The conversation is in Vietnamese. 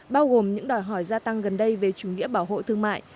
bao gồm những đòi hỏi gia tăng gần đây về chủ nghĩa bảo hộ thương mại